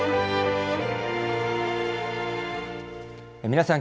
皆さん